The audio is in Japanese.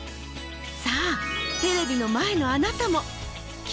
さぁテレビの前のあなたもＱ